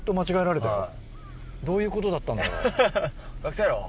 どういうことだったんだろう？